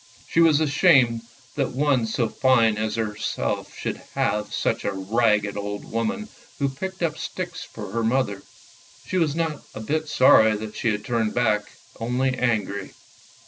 She was ashamed that one so fine as herself should have such a ragged old woman who picked up sticks for her mother. She was not a bit sorry that she had turned back, only angry.